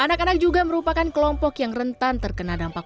anak anak juga merupakan kelompok yang rentan terkena dampak